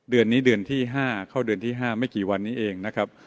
เดือนนี้เดือนที่๕เข้าเดือนที่๕ไม่กี่วันนี้เองนะครับ